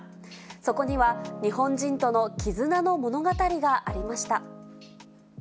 そこには日本人との絆の物語がありました。